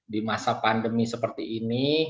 di masa pandemi seperti ini